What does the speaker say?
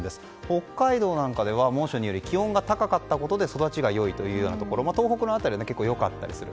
北海道なんかでは猛暑により気温が高かったことによって育ちが良いというところも東北の辺りは結構、良かったりする。